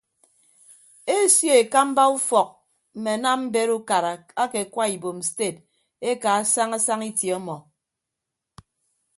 Esio ekamba ufọk mme anam mbet ukara ake akwa ibom sted ekaa saña saña itie ọmọ.